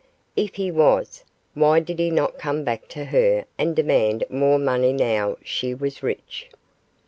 If he was, why did he not come back to her and demand more money now she was rich?